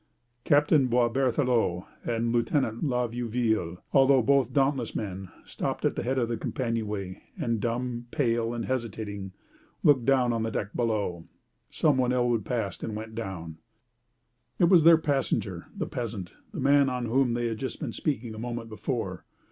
Captain Boisberthelot and Lieutenant La Vieuville, although both dauntless men, stopped at the head of the companion way, and dumb, pale, and hesitating, looked down on the deck below. Some one elbowed past and went down. It was their passenger, the peasant, the man of whom they had just been speaking a moment before.